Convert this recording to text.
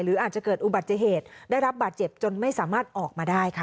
อาจจะเกิดอุบัติเหตุได้รับบาดเจ็บจนไม่สามารถออกมาได้ค่ะ